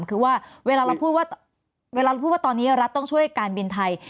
คือว่าเวลาเราพูดว่าตอนนี้รัฐต้องช่วยการบินไทย